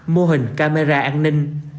mô hình camera an ninh